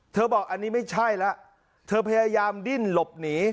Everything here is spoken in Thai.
บอกอันนี้ไม่ใช่แล้วเธอพยายามดิ้นหลบหนี